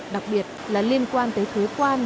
đặc biệt là liên quan tới thuế quan